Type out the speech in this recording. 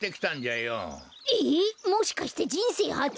ええっもしかしてじんせいはつ？